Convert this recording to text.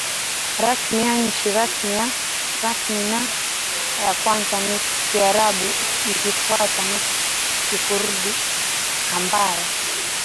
rasmi ya nchi rasmi na ya kwanza ni Kiarabu ikifuatwa na Kikurdi ambayo